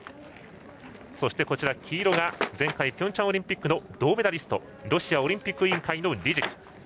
そして黄色が前回ピョンチャンオリンピックの銅メダリストロシアオリンピック委員会のリジク。